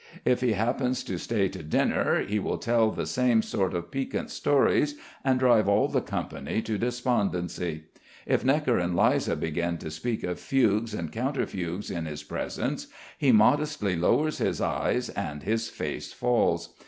If he happens to stay to dinner, he will tell the same sort of piquant stories and drive all the company to despondency. If Gnekker and Liza begin to speak of fugues and counter fugues in his presence he modestly lowers his eyes, and his face falls.